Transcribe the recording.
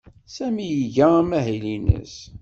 Sami iga amahil-nnes.